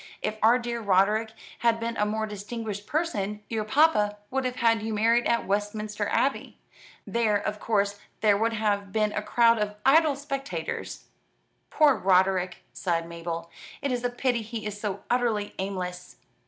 "If our dear Roderick had been a more distinguished person, your papa would have had you married in Westminster Abbey. There of course there would have been a crowd of idle spectators." "Poor Roderick," sighed Mabel. "It is a pity he is so utterly aimless.